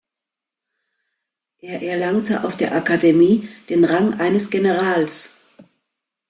Er erlangte auf der Akademie den Rang eines Generals.